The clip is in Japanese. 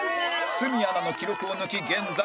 鷲見アナの記録を抜き現在